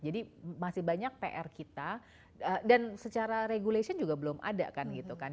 jadi masih banyak pr kita dan secara regulation juga belum ada kan gitu kan